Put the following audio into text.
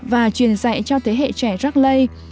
và truyền dạy cho thế hệ trẻ rắc lây